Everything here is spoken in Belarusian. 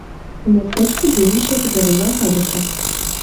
У мястэчку дзейнічае папяровая фабрыка.